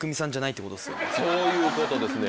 そういうことですね。